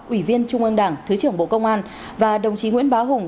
ủy viên trung ương đảng thứ trưởng bộ công an và đồng chí nguyễn bá hùng